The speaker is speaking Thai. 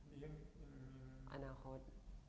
อืมอาณาคต